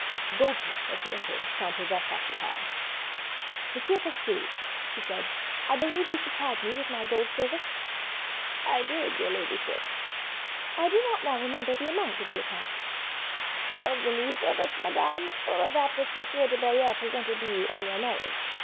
The goldsmith, as he entered, found her thus occupied. "M. Faucheux," she said, "I believe you supplied me with my gold service?" "I did, your ladyship." "I do not now remember the amount of the account." "Of the new service, madame, or of that which M. de Belliere presented to you on your marriage?